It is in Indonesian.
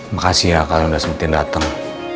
makasih ya kalau udah sempetin datang